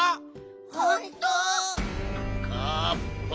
ほんと！？